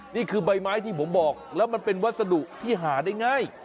นี่คือใบไม้ที่ผมบอกแล้วมันเป็นวัสดุที่หาได้ง่าย